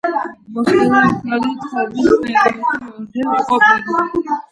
მოსკერა ახალი წყობის პერიოდში ორჯერ იყო პრეზიდენტი.